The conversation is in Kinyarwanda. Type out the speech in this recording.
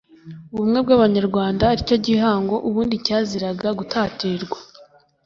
ubumwe bw abanyarwanda ari cyo gihango ubundi cyaziraga gutatirwa